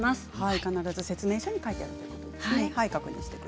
必ず説明書に書いてあるということですね。